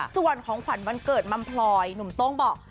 ส่วนของขวัญวันเกิดมัมพลอยหนุ่มโต้งบอก